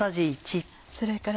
それから。